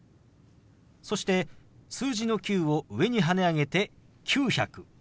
そして数字の「９」を上にはね上げて「９００」。